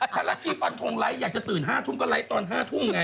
ถ้าล้างคลิฟันทงไล้อยากจะตื่น๕ทุ้งก็ไล้ตอน๕ทุ้งไง